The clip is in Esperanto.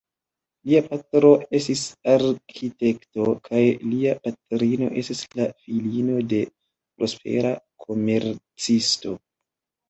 Lia patro estis arkitekto kaj lia patrino estis la filino de prospera komercisto.